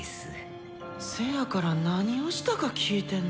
せやから「何」をしたか聞いてんねん。